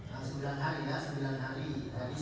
sekitar april baru selesai ya